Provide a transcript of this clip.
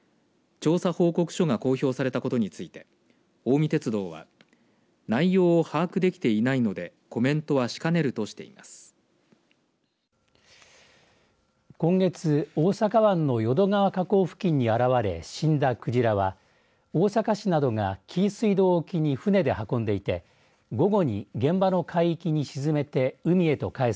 調査報告書が公表されたことについて近江鉄道は内容を把握できていないのでコメントはしかねるとしています。